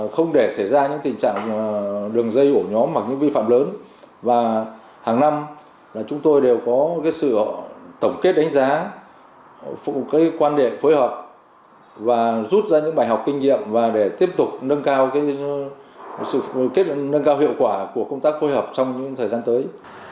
không để xảy ra những tình trạng đường dây ổ nhóm hoặc những vi phạm lớn và hàng năm chúng tôi đều có sự tổng kết đánh giá quan điểm phối hợp và rút ra những bài học kinh nghiệm để tiếp tục nâng cao hiệu quả của công tác phối hợp trong những thời gian tới